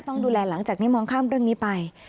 ต้องดูแลหลังจากนี้มองข้ามเรื่องนี้ไป